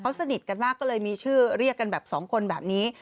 สนิทกันมากก็เลยมีชื่อเรียกกันแบบสองคนแบบนี้